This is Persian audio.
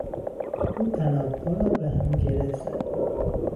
او طنابها را به هم گره زد.